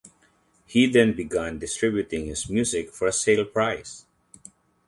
He then began distributing his music for a sale price.